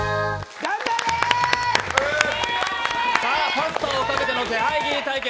パスタをかけての「気配斬り」対決。